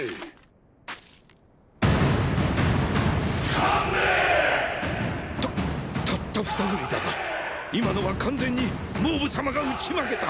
たたった二振りだが今のは完全に蒙武様が打ち負けた。